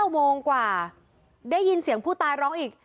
๙โมงกว่าได้ยินเสียงผู้ตายร้องอีก